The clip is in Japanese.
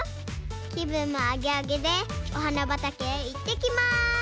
きぶんもアゲアゲでおはなばたけへいってきます。